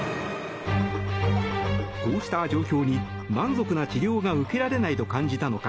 こうした状況に満足な治療が受けられないと感じたのか